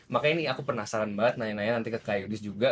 makanya ini aku penasaran banget nanya nanya nanti ke kak yudis juga